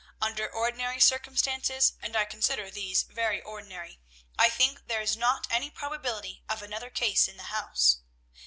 Under ordinary circumstances, and I consider these very ordinary, I think there is not any probability of another case in the house.